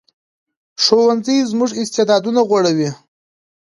ښوونځی زموږ استعدادونه غوړوي